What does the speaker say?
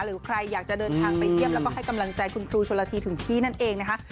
หรือใครอยากจะเดินทางไปเยี่ยมแล้วก็ให้กำลังใจคุณครูชนละทีถึงที่นั่นเองนะคะ